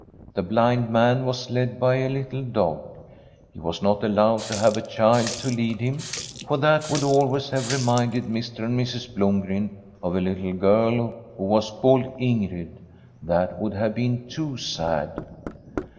The blind man was led by a little dog ; he was not allowed to have a child to lead him, for that would always have reminded Mr. and [IIS] Fnm a SWEDISH HOMESTEAD Mrs. Blomgren of a little girl who was called In grid. That would have been too sad.